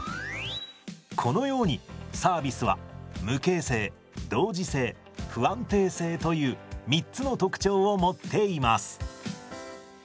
このようにサービスは無形性同時性不安定性という３つの特徴を持っています。